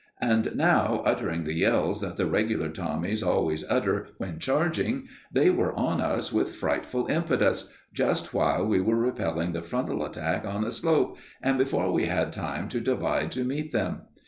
And now, uttering the yells that the regular Tommies always utter when charging, they were on us with frightful impetus, just while we were repelling the frontal attack on the slope, and before we had time to divide to meet them.